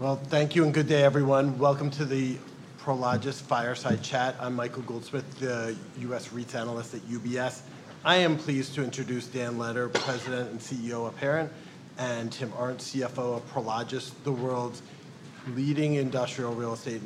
Thank you and good day, everyone. Welcome to the Prologis Fireside Chat. I'm Michael Goldsmith, the U.S. REITs analyst at UBS. I am pleased to introduce Dan Letter, President and CEO of Heron, and Tim Arndt, CFO of Prologis, the world's leading industrial real estate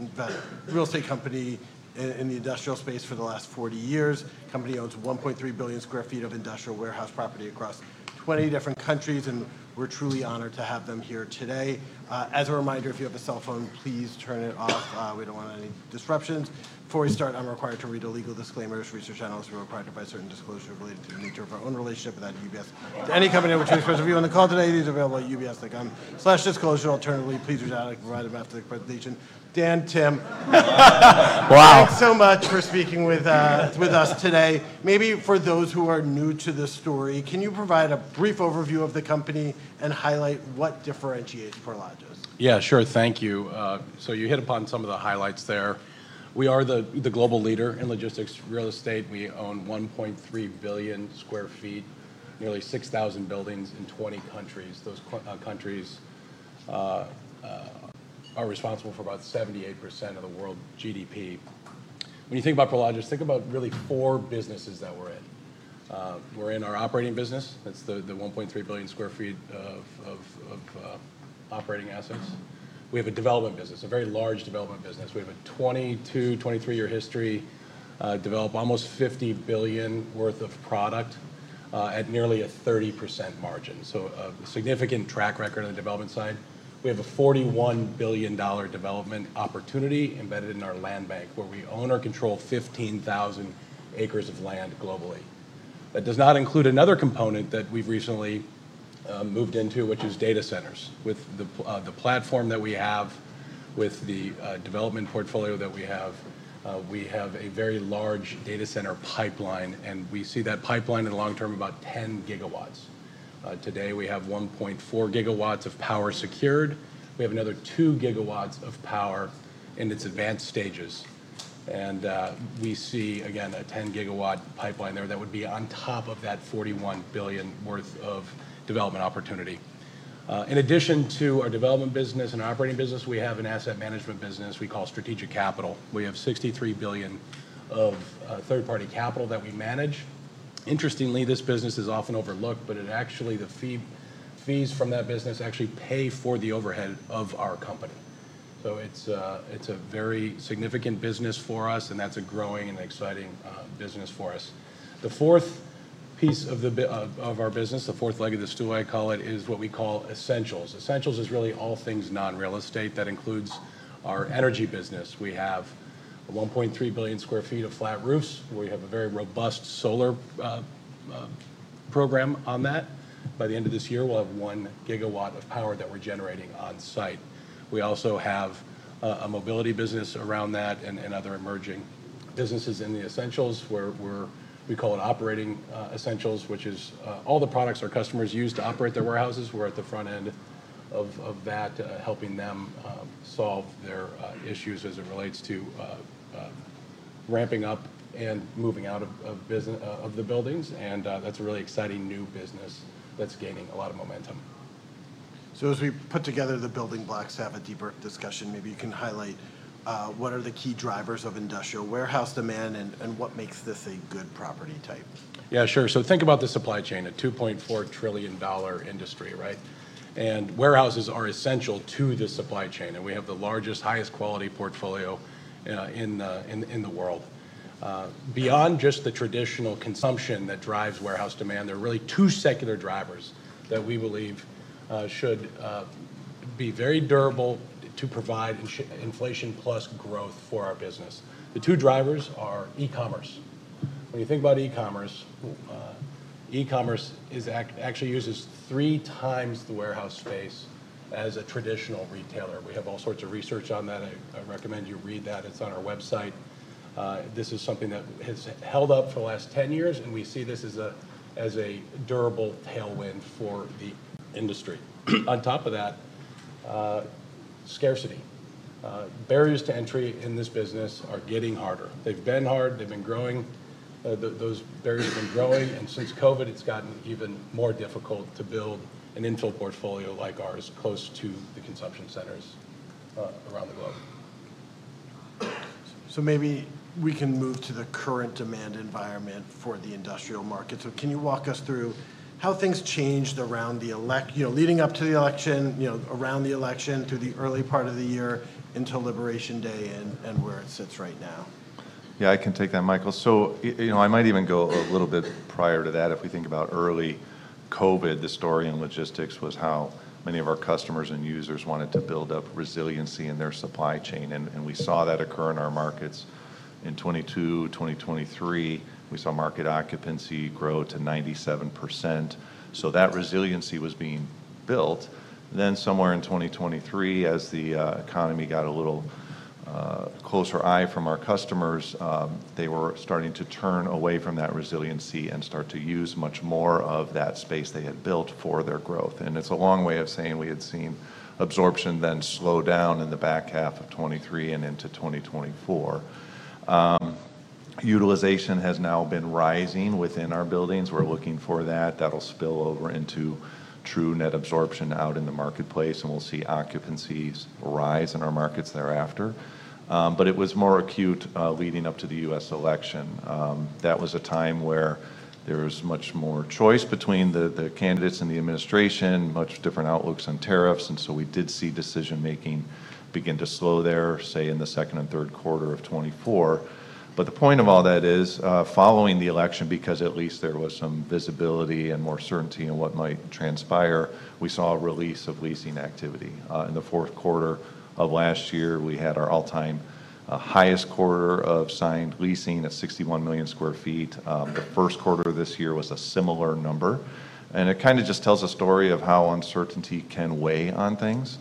company in the industrial space for the last 40 years. The company owns 1.3 billion sq ft of industrial warehouse property across 20 different countries, and we're truly honored to have them here today. As a reminder, if you have a cell phone, please turn it off. We don't want any disruptions. Before we start, I'm required to read a legal disclaimer. As a research analyst, we are required to provide certain disclosures related to the nature of our own relationship with UBS. Any company in which we express our view on the call today is available at ubs.com/disclosure. Alternatively, please reach out to the provider after the presentation. Dan, Tim, thanks so much for speaking with us today. Maybe for those who are new to the story, can you provide a brief overview of the company and highlight what differentiates Prologis? Yeah, sure. Thank you. You hit upon some of the highlights there. We are the global leader in logistics real estate. We own 1.3 billion sq ft, nearly 6,000 buildings in 20 countries. Those countries are responsible for about 78% of the world's GDP. When you think about Prologis, think about really four businesses that we're in. We're in our operating business. That's the 1.3 billion sq ft of operating assets. We have a development business, a very large development business. We have a 22-23 year history, developed almost $50 billion worth of product at nearly a 30% margin. A significant track record on the development side. We have a $41 billion development opportunity embedded in our land bank, where we own or control 15,000 acres of land globally. That does not include another component that we've recently moved into, which is data centers. With the platform that we have, with the development portfolio that we have, we have a very large data center pipeline, and we see that pipeline in the long term about 10 GW. Today, we have 1.4 GW of power secured. We have another 2 GW of power in its advanced stages. We see, again, a 10-GW pipeline there that would be on top of that $41 billion worth of development opportunity. In addition to our development business and our operating business, we have an asset management business we call Strategic Capital. We have $63 billion of third-party capital that we manage. Interestingly, this business is often overlooked, but actually, the fees from that business actually pay for the overhead of our company. It is a very significant business for us, and that is a growing and exciting business for us. The fourth piece of our business, the fourth leg of the stool, I call it, is what we call Essentials. Essentials is really all things non-real estate. That includes our energy business. We have 1.3 billion sq ft of flat roofs, where we have a very robust solar program on that. By the end of this year, we'll have 1 GW of power that we're generating on site. We also have a mobility business around that and other emerging businesses in the Essentials, where we call it operating essentials, which is all the products our customers use to operate their warehouses. We're at the front end of that, helping them solve their issues as it relates to ramping up and moving out of the buildings. That's a really exciting new business that's gaining a lot of momentum. As we put together the building blocks to have a deeper discussion, maybe you can highlight what are the key drivers of industrial warehouse demand and what makes this a good property type? Yeah, sure. So think about the supply chain, a $2.4 trillion industry, right? Warehouses are essential to the supply chain, and we have the largest, highest-quality portfolio in the world. Beyond just the traditional consumption that drives warehouse demand, there are really two secular drivers that we believe should be very durable to provide inflation-plus growth for our business. The two drivers are e-commerce. When you think about e-commerce, e-commerce actually uses three times the warehouse space as a traditional retailer. We have all sorts of research on that. I recommend you read that. It's on our website. This is something that has held up for the last 10 years, and we see this as a durable tailwind for the industry. On top of that, scarcity. Barriers to entry in this business are getting harder. They've been hard. They've been growing. Those barriers have been growing, and since COVID, it's gotten even more difficult to build an infill portfolio like ours close to the consumption centers around the globe. Maybe we can move to the current demand environment for the industrial market. Can you walk us through how things changed around the leading up to the election, around the election, through the early part of the year until Liberation Day and where it sits right now? Yeah, I can take that, Michael. I might even go a little bit prior to that. If we think about early COVID, the story in logistics was how many of our customers and users wanted to build up resiliency in their supply chain. We saw that occur in our markets. In 2022, 2023, we saw market occupancy grow to 97%. That resiliency was being built. Somewhere in 2023, as the economy got a little closer eye from our customers, they were starting to turn away from that resiliency and start to use much more of that space they had built for their growth. It's a long way of saying we had seen absorption then slow down in the back half of 2023 and into 2024. Utilization has now been rising within our buildings. We're looking for that. That'll spill over into true net absorption out in the marketplace, and we'll see occupancies rise in our markets thereafter. It was more acute leading up to the U.S. election. That was a time where there was much more choice between the candidates and the administration, much different outlooks on tariffs. We did see decision-making begin to slow there, say, in the second and third quarter of 2024. The point of all that is, following the election, because at least there was some visibility and more certainty in what might transpire, we saw a release of leasing activity. In the fourth quarter of last year, we had our all-time highest quarter of signed leasing at 61 million sq ft. The first quarter of this year was a similar number. It kind of just tells a story of how uncertainty can weigh on things.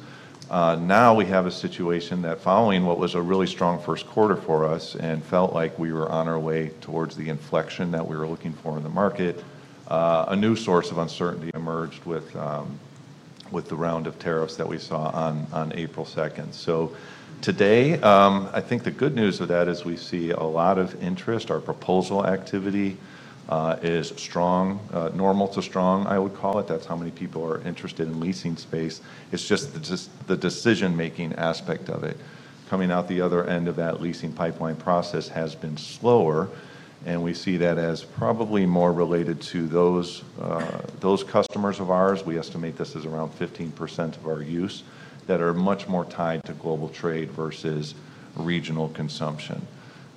Now we have a situation that, following what was a really strong first quarter for us and felt like we were on our way towards the inflection that we were looking for in the market, a new source of uncertainty emerged with the round of tariffs that we saw on April 2. Today, I think the good news of that is we see a lot of interest. Our proposal activity is strong, normal to strong, I would call it. That is how many people are interested in leasing space. It is just the decision-making aspect of it. Coming out the other end of that leasing pipeline process has been slower, and we see that as probably more related to those customers of ours. We estimate this is around 15% of our use that are much more tied to global trade versus regional consumption.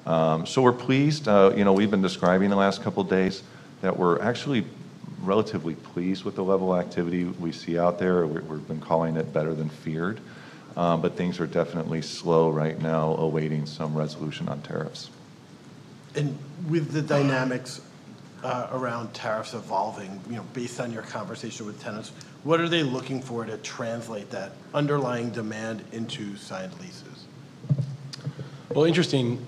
We are pleased. We've been describing the last couple of days that we're actually relatively pleased with the level of activity we see out there. We've been calling it better than feared, but things are definitely slow right now, awaiting some resolution on tariffs. With the dynamics around tariffs evolving, based on your conversation with tenants, what are they looking for to translate that underlying demand into signed leases? Interesting,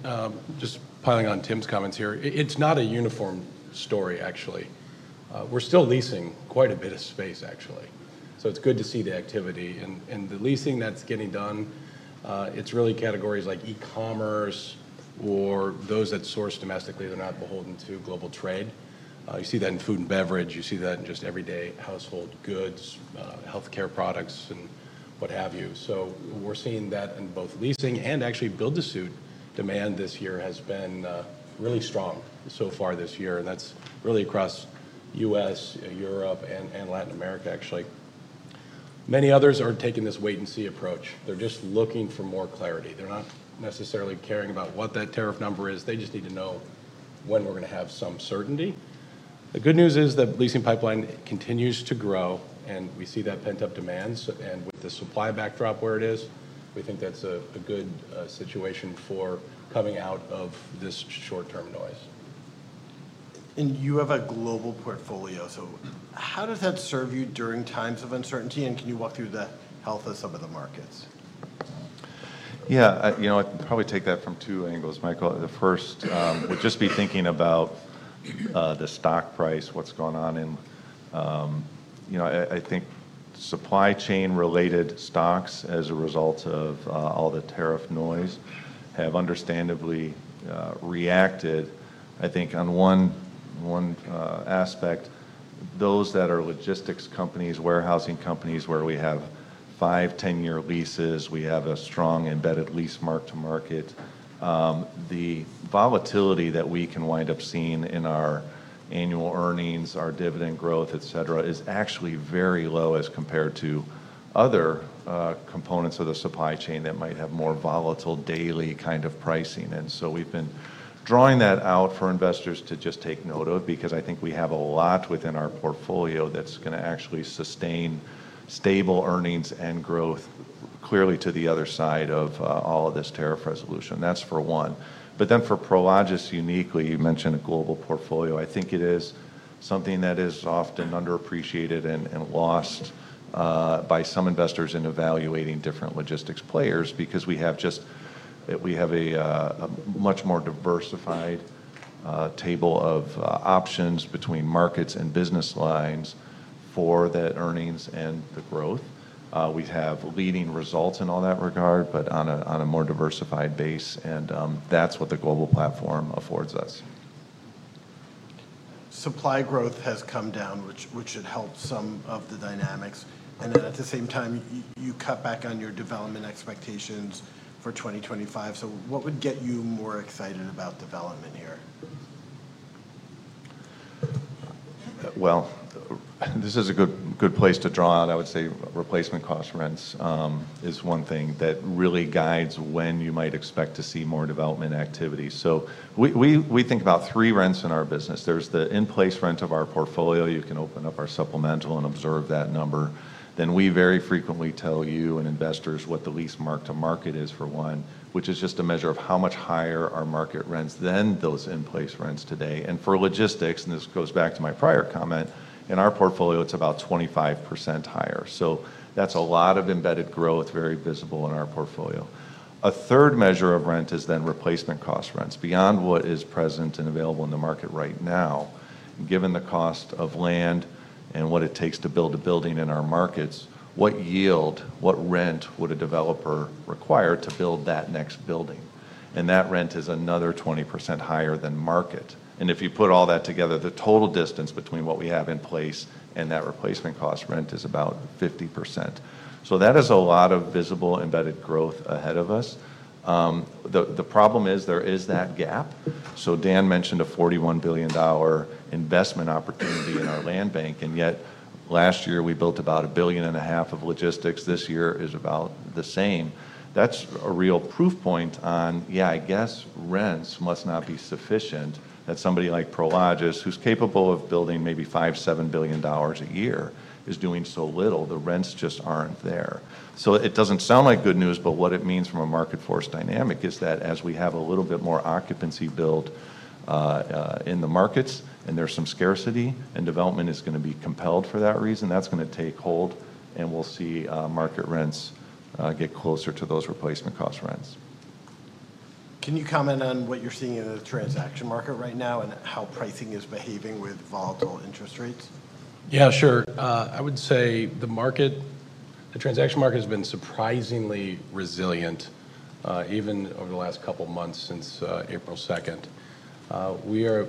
just piling on Tim's comments here. It's not a uniform story, actually. We're still leasing quite a bit of space, actually. It's good to see the activity. The leasing that's getting done, it's really categories like e-commerce or those that source domestically that are not beholden to global trade. You see that in food and beverage. You see that in just everyday household goods, healthcare products, and what have you. We're seeing that in both leasing and actually build-to-suit demand this year has been really strong so far this year. That's really across the U.S., Europe, and Latin America, actually. Many others are taking this wait-and-see approach. They're just looking for more clarity. They're not necessarily caring about what that tariff number is. They just need to know when we're going to have some certainty. The good news is that the leasing pipeline continues to grow, and we see that pent-up demand. With the supply backdrop where it is, we think that's a good situation for coming out of this short-term noise. You have a global portfolio. How does that serve you during times of uncertainty? Can you walk through the health of some of the markets? Yeah, I can probably take that from two angles, Michael. The first would just be thinking about the stock price, what's going on. I think supply chain-related stocks, as a result of all the tariff noise, have understandably reacted. I think, on one aspect, those that are logistics companies, warehousing companies, where we have five to 10-year leases. We have a strong embedded lease mark-to-market. The volatility that we can wind up seeing in our annual earnings, our dividend growth, et cetera, is actually very low as compared to other components of the supply chain that might have more volatile daily kind of pricing. We have been drawing that out for investors to just take note of because I think we have a lot within our portfolio that's going to actually sustain stable earnings and growth clearly to the other side of all of this tariff resolution. That's for one. For Prologis uniquely, you mentioned a global portfolio. I think it is something that is often underappreciated and lost by some investors in evaluating different logistics players because we have just a much more diversified table of options between markets and business lines for the earnings and the growth. We have leading results in all that regard, but on a more diversified base. That is what the global platform affords us. Supply growth has come down, which should help some of the dynamics. At the same time, you cut back on your development expectations for 2025. What would get you more excited about development here? This is a good place to draw on. I would say replacement cost rents is one thing that really guides when you might expect to see more development activity. We think about three rents in our business. There is the in-place rent of our portfolio. You can open up our supplemental and observe that number. We very frequently tell you and investors what the lease mark-to-market is for one, which is just a measure of how much higher our market rents than those in-place rents today. For logistics, and this goes back to my prior comment, in our portfolio, it is about 25% higher. That is a lot of embedded growth, very visible in our portfolio. A third measure of rent is then replacement cost rents. Beyond what is present and available in the market right now, given the cost of land and what it takes to build a building in our markets, what yield, what rent would a developer require to build that next building? That rent is another 20% higher than market. If you put all that together, the total distance between what we have in place and that replacement cost rent is about 50%. That is a lot of visible embedded growth ahead of us. The problem is there is that gap. Dan mentioned a $41 billion investment opportunity in our land bank, and yet last year we built about $1.5 billion of logistics. This year is about the same. That's a real proof point on, yeah, I guess rents must not be sufficient that somebody like Prologis, who's capable of building maybe $5 billion-$7 billion a year, is doing so little. The rents just aren't there. It doesn't sound like good news, but what it means from a market force dynamic is that as we have a little bit more occupancy built in the markets and there's some scarcity and development is going to be compelled for that reason, that's going to take hold, and we'll see market rents get closer to those replacement cost rents. Can you comment on what you're seeing in the transaction market right now and how pricing is behaving with volatile interest rates? Yeah, sure. I would say the market, the transaction market has been surprisingly resilient even over the last couple of months since April 2.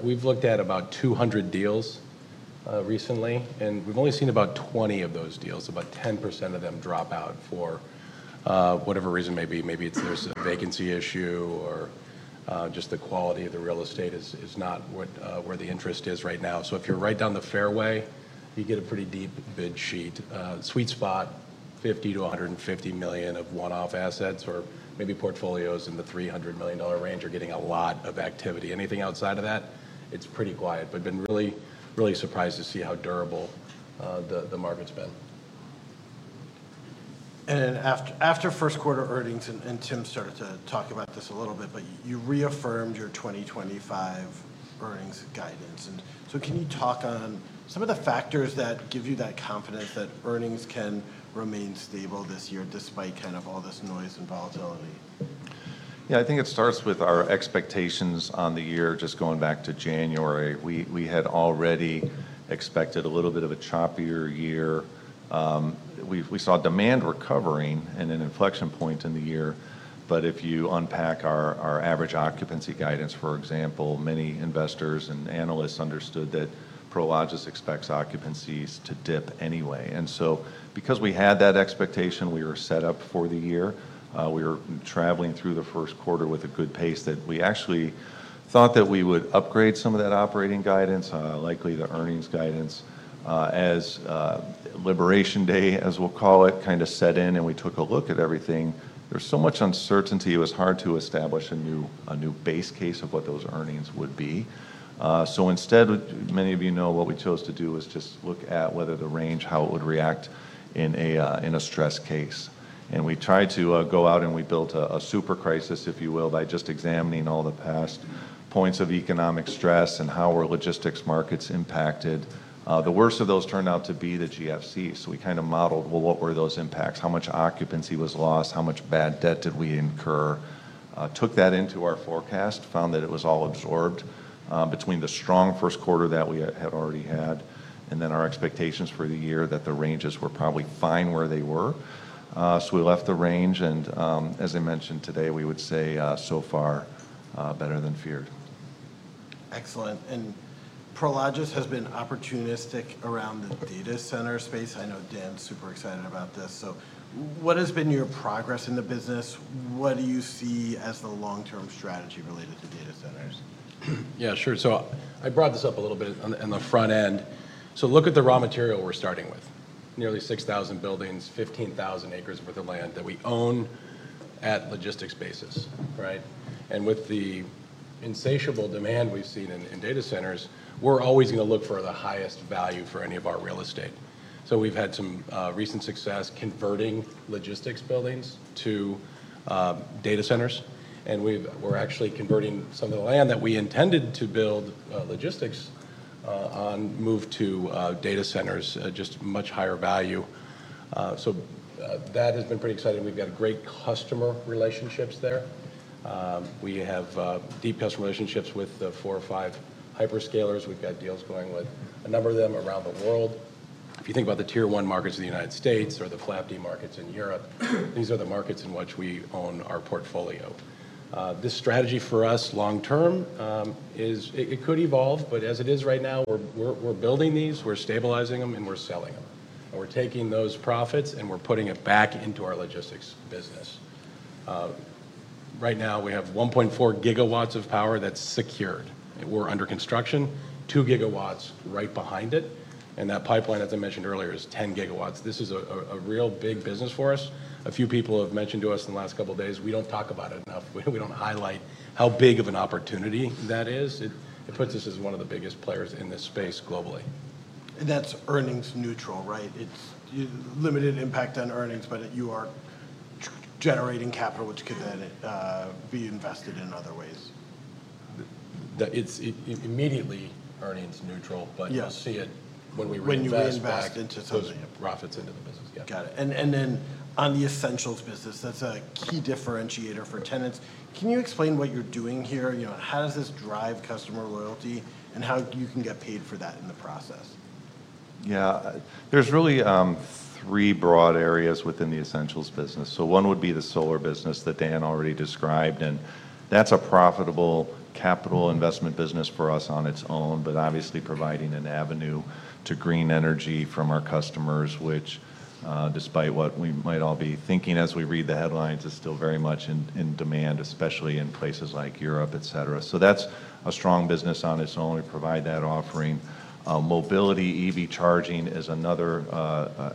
We've looked at about 200 deals recently, and we've only seen about 20 of those deals, about 10% of them, drop out for whatever reason may be. Maybe there's a vacancy issue or just the quality of the real estate is not where the interest is right now. If you're right down the fairway, you get a pretty deep bid sheet. Sweet spot, $50 million-$150 million of one-off assets or maybe portfolios in the $300 million range are getting a lot of activity. Anything outside of that, it's pretty quiet, but been really, really surprised to see how durable the market's been. After first quarter earnings, and Tim started to talk about this a little bit, but you reaffirmed your 2025 earnings guidance. Can you talk on some of the factors that give you that confidence that earnings can remain stable this year despite kind of all this noise and volatility? Yeah, I think it starts with our expectations on the year. Just going back to January, we had already expected a little bit of a choppier year. We saw demand recovering and an inflection point in the year. If you unpack our average occupancy guidance, for example, many investors and analysts understood that Prologis expects occupancies to dip anyway. Because we had that expectation, we were set up for the year. We were traveling through the first quarter with a good pace that we actually thought that we would upgrade some of that operating guidance, likely the earnings guidance, as Liberation Day, as we will call it, kind of set in. We took a look at everything. There is so much uncertainty, it was hard to establish a new base case of what those earnings would be. Instead, many of you know what we chose to do was just look at whether the range, how it would react in a stress case. We tried to go out and we built a super crisis, if you will, by just examining all the past points of economic stress and how were logistics markets impacted. The worst of those turned out to be the GFC. We kind of modeled, well, what were those impacts? How much occupancy was lost? How much bad debt did we incur? Took that into our forecast, found that it was all absorbed between the strong first quarter that we had already had and then our expectations for the year that the ranges were probably fine where they were. We left the range. As I mentioned today, we would say so far better than feared. Excellent. Prologis has been opportunistic around the data center space. I know Dan's super excited about this. What has been your progress in the business? What do you see as the long-term strategy related to data centers? Yeah, sure. I brought this up a little bit on the front end. Look at the raw material we're starting with, nearly 6,000 buildings, 15,000 acres worth of land that we own at logistics basis, right? With the insatiable demand we've seen in data centers, we're always going to look for the highest value for any of our real estate. We've had some recent success converting logistics buildings to data centers. We're actually converting some of the land that we intended to build logistics on, moved to data centers, just much higher value. That has been pretty exciting. We've got great customer relationships there. We have deep customer relationships with four or five hyperscalers. We've got deals going with a number of them around the world. If you think about the tier one markets in the U.S. or the FLAP D markets in Europe, these are the markets in which we own our portfolio. This strategy for us long-term is it could evolve, but as it is right now, we're building these, we're stabilizing them, and we're selling them. We're taking those profits and we're putting it back into our logistics business. Right now, we have 1.4 GW of power that's secured. We're under construction, 2 GW right behind it. That pipeline, as I mentioned earlier, is 10 GW. This is a real big business for us. A few people have mentioned to us in the last couple of days, we don't talk about it enough. We don't highlight how big of an opportunity that is. It puts us as one of the biggest players in this space globally. That's earnings neutral, right? It's limited impact on earnings, but you are generating capital, which could then be invested in other ways. It's immediately earnings neutral, but you'll see it when we reinvest. When you invest into. Putting profits into the business, yeah. Got it. On the essentials business, that's a key differentiator for tenants. Can you explain what you're doing here? How does this drive customer loyalty and how you can get paid for that in the process? Yeah, there's really three broad areas within the Essentials business. One would be the solar business that Dan already described. That's a profitable capital investment business for us on its own, but obviously providing an avenue to green energy for our customers, which, despite what we might all be thinking as we read the headlines, is still very much in demand, especially in places like Europe, et cetera. That's a strong business on its own. We provide that offering. Mobility, EV charging is another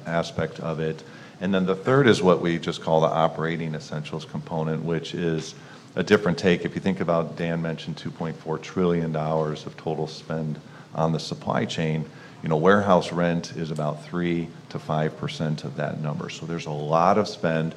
aspect of it. The third is what we just call the operating essentials component, which is a different take. If you think about Dan mentioned $2.4 trillion of total spend on the supply chain, warehouse rent is about 3%-5% of that number. There's a lot of spend,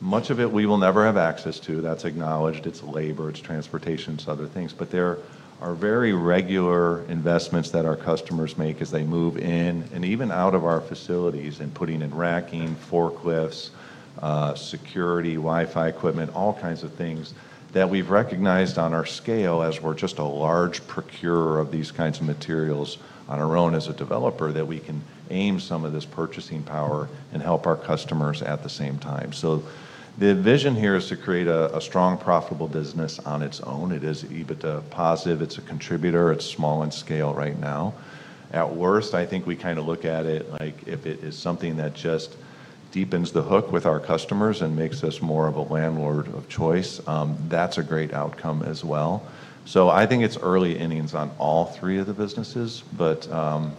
much of it we will never have access to. That's acknowledged. It's labor, it's transportation, it's other things. There are very regular investments that our customers make as they move in and even out of our facilities and putting in racking, forklifts, security, Wi-Fi equipment, all kinds of things that we've recognized on our scale as we're just a large procurer of these kinds of materials on our own as a developer that we can aim some of this purchasing power and help our customers at the same time. The vision here is to create a strong, profitable business on its own. It is EBITDA positive. It's a contributor. It's small in scale right now. At worst, I think we kind of look at it like if it is something that just deepens the hook with our customers and makes us more of a landlord of choice, that's a great outcome as well. I think it's early innings on all three of the businesses, but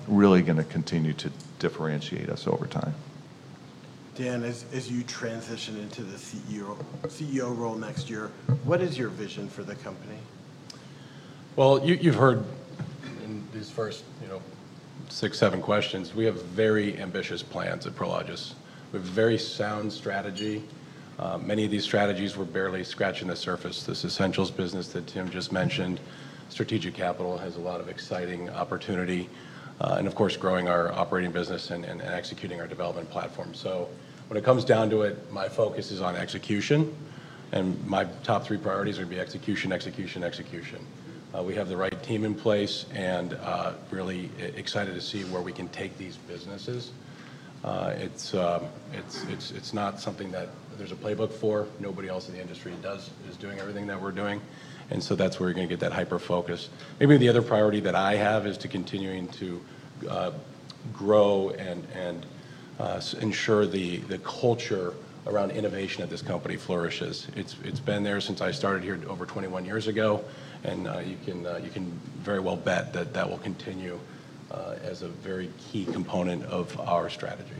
really going to continue to differentiate us over time. Dan, as you transition into the CEO role next year, what is your vision for the company? You have heard in these first six, seven questions, we have very ambitious plans at Prologis. We have a very sound strategy. Many of these strategies, we are barely scratching the surface. This Essentials business that Tim just mentioned, strategic capital has a lot of exciting opportunity. Of course, growing our operating business and executing our development platform. When it comes down to it, my focus is on execution. My top three priorities are going to be execution, execution, execution. We have the right team in place and I am really excited to see where we can take these businesses. It is not something that there is a playbook for. Nobody else in the industry is doing everything that we are doing. That is where you are going to get that hyper focus. Maybe the other priority that I have is to continue to grow and ensure the culture around innovation at this company flourishes. It has been there since I started here over 21 years ago. You can very well bet that that will continue as a very key component of our strategy.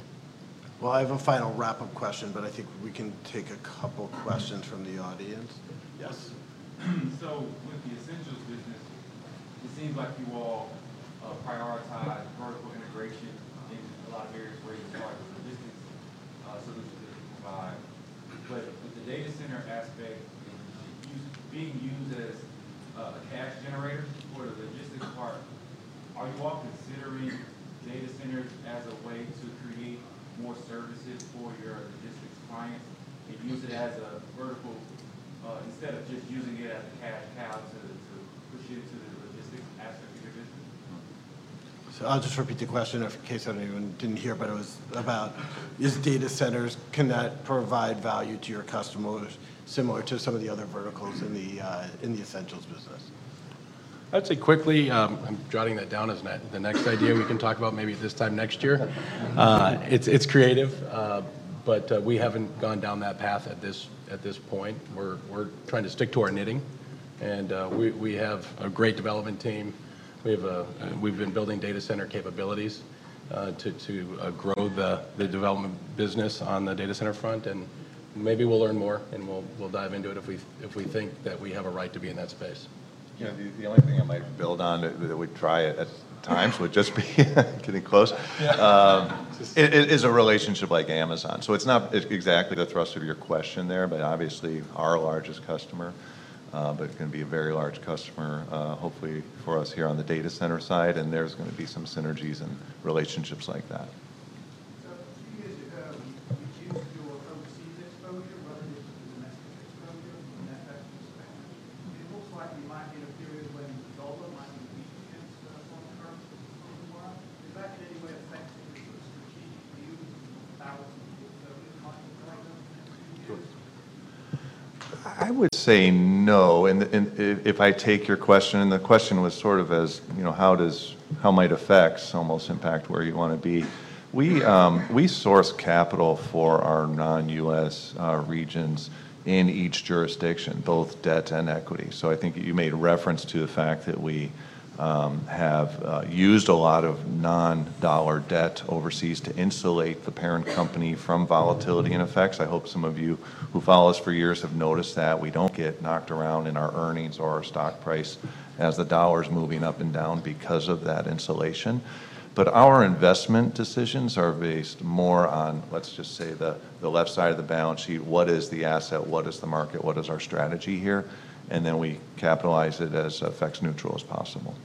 I have a final wrap-up question, but I think we can take a couple of questions from the audience. Yes. With the Essentials business, it seems like you all prioritize vertical integration in a lot of areas where you're part of the logistics solution that you provide. With the data center aspect being used as a cash generator for the logistics part, are you all considering data centers as a way to create more services for your logistics clients and use it as a vertical instead of just using it as a cash cow to push into the logistics aspect of your business? I'll just repeat the question in case anyone didn't hear, but it was about, is data centers, can that provide value to your customers similar to some of the other verticals in the essentials business? I'd say quickly, I'm jotting that down as the next idea we can talk about maybe this time next year. It's creative, but we haven't gone down that path at this point. We're trying to stick to our knitting. We have a great development team. We've been building data center capabilities to grow the development business on the data center front. Maybe we'll learn more and we'll dive into it if we think that we have a right to be in that space. Yeah. The only thing I might build on that we'd try at times would just be getting close. It is a relationship like Amazon. It's not exactly the thrust of your question there, but obviously our largest customer, but it can be a very large customer, hopefully for us here on the data center side. There is going to be some synergies and relationships like that. Two years ago, did you do a CTEX focus rather than just a domestic exposure in that type of spend? It looks like we might be in a period when Zola might be a beach camps long-term for a little while. Is that in any way affecting your strategic view about the business growth over the next two years? I would say no. If I take your question, and the question was sort of as how might FX almost impact where you want to be. We source capital for our non-U.S. regions in each jurisdiction, both debt and equity. I think you made reference to the fact that we have used a lot of non-dollar debt overseas to insulate the parent company from volatility and FX. I hope some of you who follow us for years have noticed that. We do not get knocked around in our earnings or our stock price as the dollar is moving up and down because of that insulation. Our investment decisions are based more on, let's just say, the left side of the balance sheet. What is the asset? What is the market? What is our strategy here? Then we capitalize it as FX neutral as possible.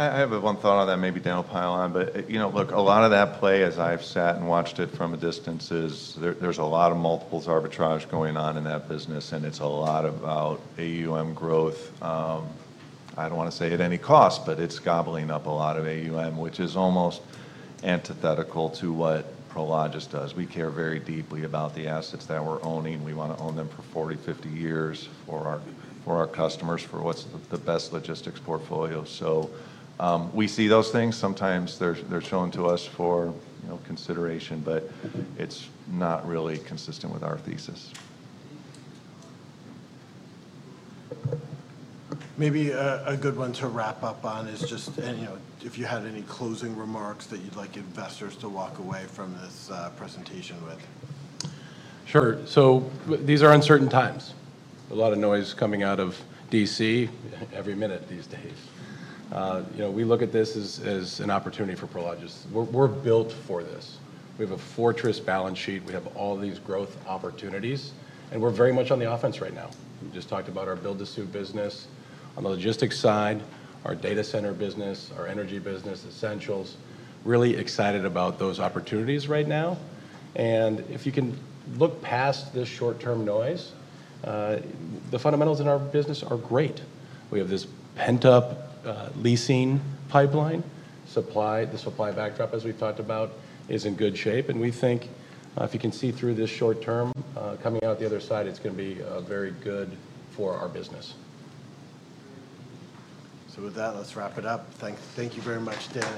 Yeah. Yeah. You mentioned strategic capital being an increasingly important part of the business. I think about the broader real estate landscape. We've seen a ton of investment manager consolidation in the last 24 months. Just thinking about GLP, ESR, has Prologis considered participating in some of that consolidation through that strategic capital business? I have one thought on that, maybe Dan will pile on. Look, a lot of that play, as I've sat and watched it from a distance, is there's a lot of multiples arbitrage going on in that business. It's a lot about AUM growth. I don't want to say at any cost, but it's gobbling up a lot of AUM, which is almost antithetical to what Prologis does. We care very deeply about the assets that we're owning. We want to own them for 40, 50 years for our customers, for what's the best logistics portfolio. We see those things. Sometimes they're shown to us for consideration, but it's not really consistent with our thesis. Maybe a good one to wrap up on is just if you had any closing remarks that you'd like investors to walk away from this presentation with. Sure. These are uncertain times. A lot of noise coming out of D.C. every minute these days. We look at this as an opportunity for Prologis. We're built for this. We have a fortress balance sheet. We have all these growth opportunities. We're very much on the offense right now. We just talked about our build-to-suit business. On the logistics side, our data center business, our energy business, essentials, really excited about those opportunities right now. If you can look past this short-term noise, the fundamentals in our business are great. We have this pent-up leasing pipeline. The supply backdrop, as we've talked about, is in good shape. We think if you can see through this short-term, coming out the other side, it's going to be very good for our business. With that, let's wrap it up. Thank you very much, Dan.